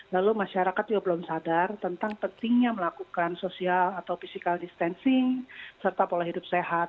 lalu masyarakat juga belum sadar tentang pentingnya melakukan sosial atau physical distancing serta pola hidup sehat